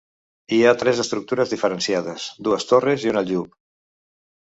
Hi ha tres estructures diferenciades: dues torres i un aljub.